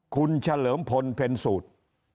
คุณเฉลิมพลเพ็ญสูตร